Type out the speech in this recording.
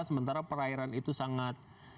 sementara perairan itu sangat